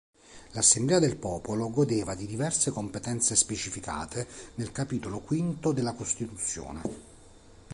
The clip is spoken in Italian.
L'Assemblea del Popolo godeva di diverse competenze specificate nel Capitolo Quinto della Costituzione.